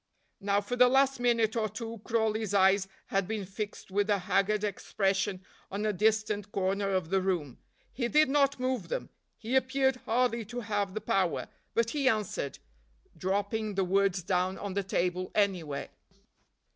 Now for the last minute or two Crawley's eyes had been fixed with a haggard expression on a distant corner of the room. He did not move them; he appeared hardly to have the power, but he answered, dropping the words down on the table anywhere.